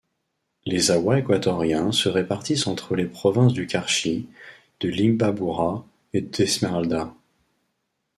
Les Awás équatoriens se répartissent entre les provinces du Carchi, de l'Imbabura et d'Esmeraldas.